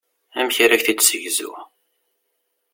Amek ara k-t-id-ssegzuɣ?